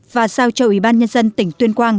và giao cho ủy ban nhân dân tỉnh tuyên quang